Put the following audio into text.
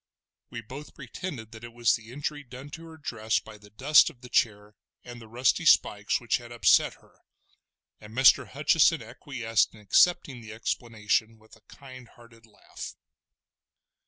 We both pretended that it was the injury done to her dress by the dust of the chair, and the rusty spikes which had upset her, and Mr. Hutcheson acquiesced in accepting the explanation with a kind hearted laugh.